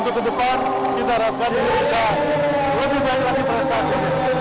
untuk ke depan kita harapkan ini bisa lebih baik lagi prestasinya